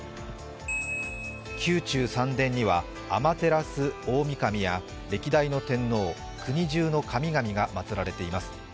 宮中三殿には天照大御神や歴代の天皇国じゅうの神々が祭られています。